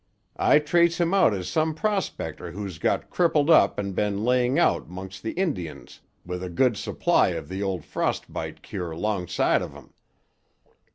I trace him out as some prospector who's got crippled up and been laying out 'mongst the Indians with a good supply of the ol' frost bite cure 'longside of 'im.